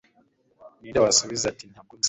ninde wasubiza ati ntabwo nzi